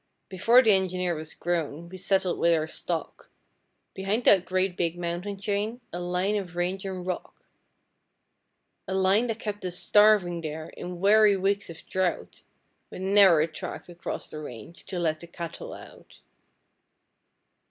Before the engineer was grown we settled with our stock Behind that great big mountain chain, a line of range and rock A line that kept us starving there in weary weeks of drought, With ne'er a track across the range to let the cattle out.